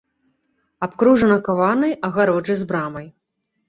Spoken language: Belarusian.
Абкружана каванай агароджай з брамай.